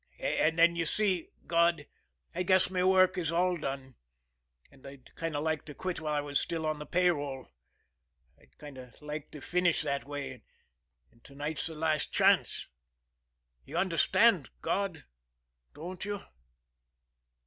And then, You see, God, I guess my work is all done, and and I'd kind of like to quit while I was still on the pay roll I'd kind of like to finish that way, and to night's the last chance. You understand, God, don't You?'"